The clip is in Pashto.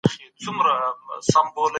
ليکوال بايد د ټولني نبض په لاس کي ولري.